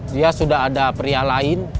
dia sudah ada pria lain